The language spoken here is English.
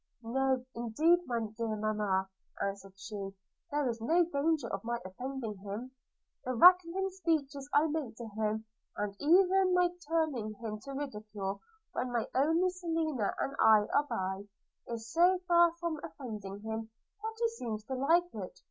'No, indeed, my dear mamma!' answered she, 'there is no danger of my offending him. The rattling speeches I make to him, and even my turning him into ridicule when only Selina and I are by, is so far from offending him, that he seems to like it.